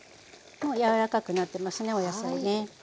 もう柔らかくなってますねお野菜ね。